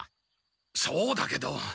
そうだけど。